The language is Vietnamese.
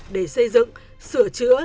để xây dựng sửa chữa